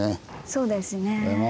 そうですね。